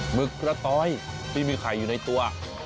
หึกกระต้อยที่มีไข่อยู่ในตัว